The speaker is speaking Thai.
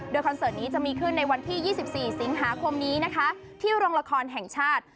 โดยคอนเสิร์ตนี้จะมีขึ้นในวันที่๒๔สิงหาคมนี้นะคะที่โรงละครแห่งชาติ